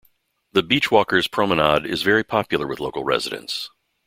The Beach Walkers promenade is very popular with the local residents.